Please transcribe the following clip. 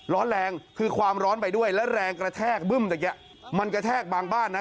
ร้อนแรงคือความร้อนไปด้วยแล้วแรงกระแทกบึ้มเมื่อกี้มันกระแทกบางบ้านนะ